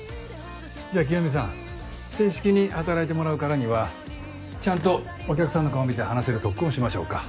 じゃあ清美さん正式に働いてもらうからにはちゃんとお客さんの顔見て話せる特訓をしましょうか。